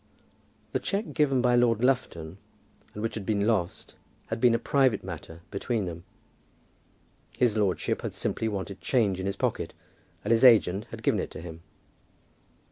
The cheque given by Lord Lufton, and which had been lost, had been a private matter between them. His lordship had simply wanted change in his pocket, and his agent had given it to him.